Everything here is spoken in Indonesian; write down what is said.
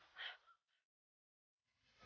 tapi berhasil mencari tempat untuk ikut